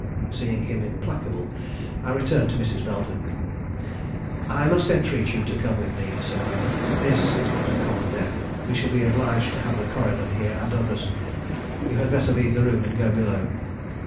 Seeing him implacable, I returned to Mrs. Belden. "I must entreat you to come with me," said I. "This is not a common death; we shall be obliged to have the coroner here and others. You had better leave the room and go below."